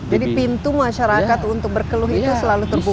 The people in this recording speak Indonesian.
jadi pintu masyarakat untuk berkeluh itu selalu terbuka